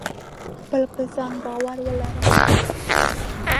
خپل په ځان باور ولره !